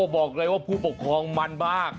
บอกเลยว่าผู้ปกครองมันมาก